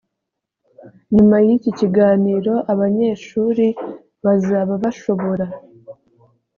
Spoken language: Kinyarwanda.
nyuma y iki kiganiro abanyeshuri bazaba bashobora